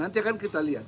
nanti akan kita lihat